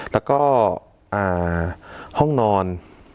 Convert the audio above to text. แล้วก็ห้องนอน